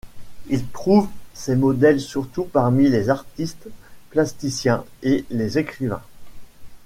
Il trouve ses modèles surtout parmi les artistes plasticiens et les écrivains.